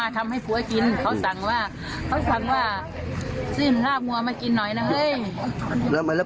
สาเหตุที่เขาเผาพ่อเพราะอะไรมันไม่บวกเลย